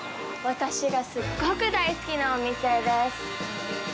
私がすっごく大好きなお店です。